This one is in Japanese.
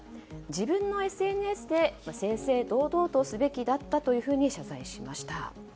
自分のＳＮＳで正々堂々とすべきだったというふうに謝罪しました。